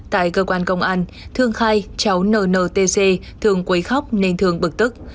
tại cơ quan công an thương khai cháu nntc thường quấy khóc nên thương bực tức